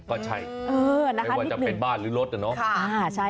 ก็ใช่ไม่ว่าจะเป็นบ้านหรือรถนะเนาะ